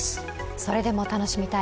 それでも楽しみたい